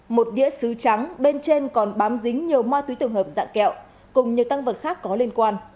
một đĩa xứ trắng bên trên còn bám dính nhiều ma túy tổng hợp dạng kẹo cùng nhiều tăng vật khác có liên quan